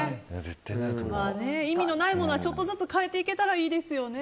意味のないものはちょっとずつ変えていけたらいいですよね。